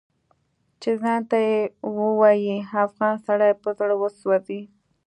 چې ځان ته ووايي افغان سړی په زړه وسوځي